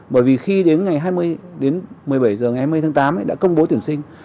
bởi vì khi đến ngày hai đến một mươi bảy h ngày hai mươi tháng tám đã công bố tuyển sinh